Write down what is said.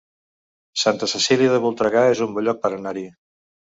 Santa Cecília de Voltregà es un bon lloc per anar-hi